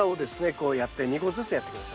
こうやって２個ずつやって下さい。